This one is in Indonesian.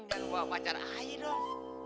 jangan bawa pacar ayo dong